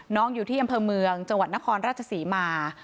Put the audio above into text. อยู่ที่อำเภอเมืองจังหวัดนครราชศรีมา